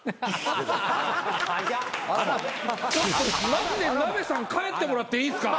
マジでなべさん帰ってもらっていいっすか？